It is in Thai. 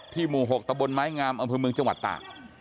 หมู่๖ตะบนไม้งามอำเภอเมืองจังหวัดตาก